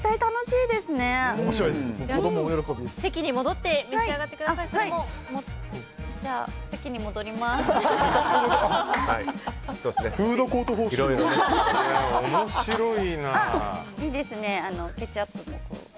いいですね、ケチャップも。